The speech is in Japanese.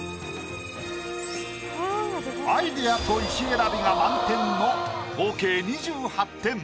アイディアと石選びが満点の合計２８点。